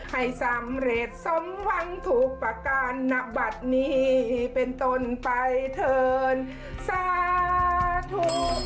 ให้สำเร็จสมหวังถูกประการณบัตรนี้เป็นต้นไปเถินสาธุ